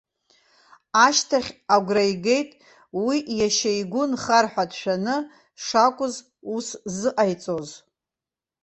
Ашьҭахь, агәра игеит, уи иашьа игәы нхар ҳәа дшәаны шакәыз ус зыҟаиҵоз.